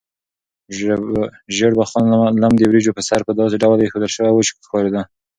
ژیړبخون لم د وریجو په سر په داسې ډول ایښودل شوی و چې ښکارېده.